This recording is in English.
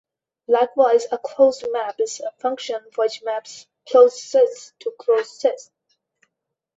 Likewise, a closed map is a function which maps closed sets to closed sets.